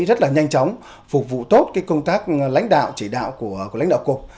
rất là nhanh chóng phục vụ tốt công tác lãnh đạo chỉ đạo của lãnh đạo cục